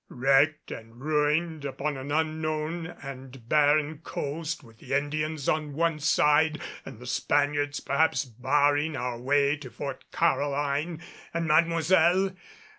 Wrecked and ruined upon an unknown and barren coast with the Indians on one side and the Spaniards perhaps barring our way to Fort Caroline and Mademoiselle!